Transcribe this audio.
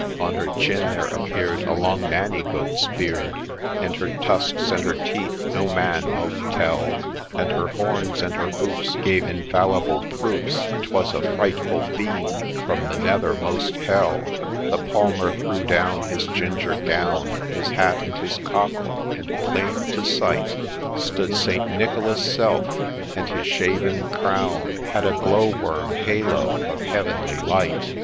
On her chin there appear'd a long Nanny goat's beard, And her tusks and her teeth no man mote tell ; And her horns and her hoofs gave infallible proofs 'Twas a frightful fiend from the nethermost hell 1 The Palmer threw down his ginger gown, His hat and his cockle ; and, plain to sight, Stood St. Nicholas' self, and his shaven crown Had a glow worm halo of heavenly light.